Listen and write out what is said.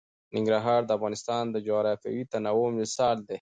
ننګرهار د افغانستان د جغرافیوي تنوع مثال دی.